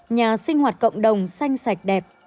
nhà sinh hoạt cộng đồng xanh sạch đẹp